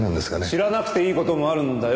知らなくていい事もあるんだよ